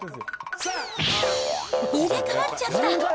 入れ代わっちゃった。